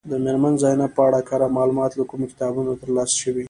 د میرمن زینب په اړه کره معلومات له کومو کتابونو ترلاسه شوي.